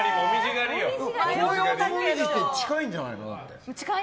紅葉ともみじって近いんじゃないの？